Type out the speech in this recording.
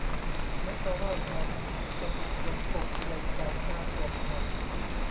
แม้จะร่ายมนต์ ก็ถูกเสียงกบ เขียด ไก่ กา กลบหมด